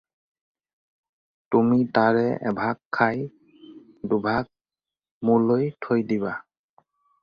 তুমি তাৰে এভাগ খাই দুভাগ মোলৈ থৈ দিবা।